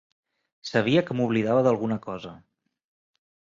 Sabia que m'oblidava d'alguna cosa.